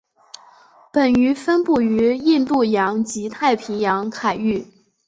本鱼分布于印度洋及太平洋海域。